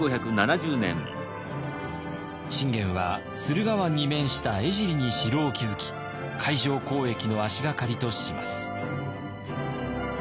信玄は駿河湾に面した江尻に城を築き海上交易の足掛かりとします。